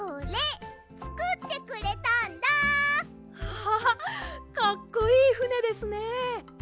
アハハかっこいいふねですね。